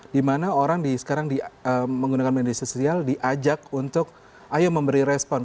dimana orang sekarang menggunakan media sosial diajak untuk ayo memberi respon